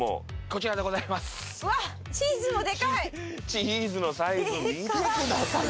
チーズのサイズ見てください